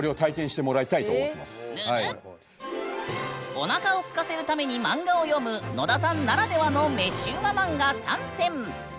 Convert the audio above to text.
おなかをすかせるために漫画を読む野田さんならではの飯ウマ漫画３選！